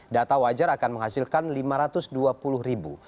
data wajar akan menghasilkan lima ratus dua puluh ribu